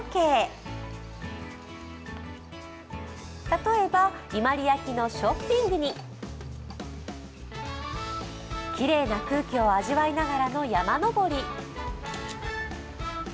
例えば伊万里焼のショッピングにきれいな空気を味わいながらの山登り。